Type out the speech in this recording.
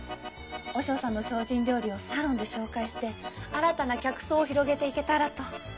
和尚さんの精進料理をサロンで紹介して新たな客層を広げていけたらと。